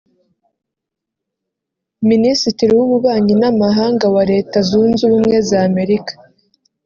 Minisitiri w’ububanyi n’amahanga wa Leta Zunze Ubumwe za Amerika